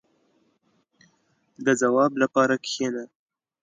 • د ځواب لپاره کښېنه.